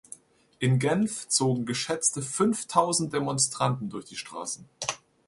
In Genf zogen geschätzte fünftausend Demonstranten durch die Straßen.